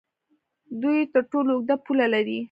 دوی تر ټولو اوږده پوله لري.